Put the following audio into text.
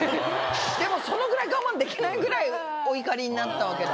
でもそのぐらい我慢できないぐらいお怒りになったわけだ。